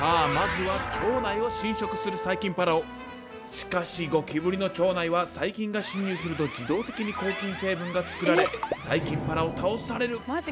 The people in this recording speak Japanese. しかしゴキブリの腸内は細菌が侵入すると自動的に抗菌成分が作られ細菌パラオ倒される。